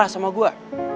marah sama gue